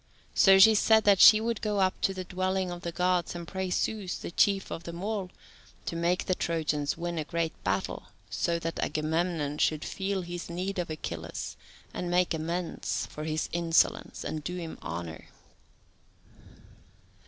So she said that she would go up to the dwelling of the Gods, and pray Zeus, the chief of them all, to make the Trojans win a great battle, so that Agamemnon should feel his need of Achilles, and make amends for his insolence, and do him honour.